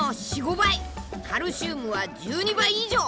カルシウムは１２倍以上！